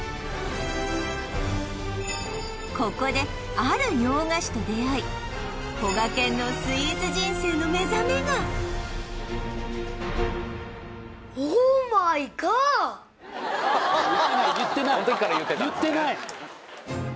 ここである洋菓子と出会いこがけんのスイーツ人生の目覚めがこの時から言ってたんですね